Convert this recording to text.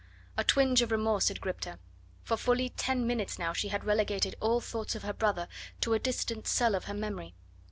A twinge of remorse had gripped her. For fully ten minutes now she had relegated all thoughts of her brother to a distant cell of her memory.